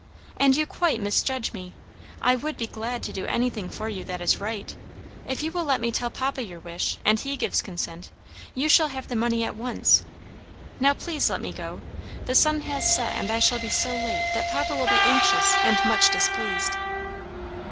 "And you quite misjudge me. I would be glad to do anything for you that is right. If you will let me tell papa your wish, and he gives consent, you shall have the money at once. Now please let me go. The sun has set and I shall be so late that papa will be anxious and much displeased."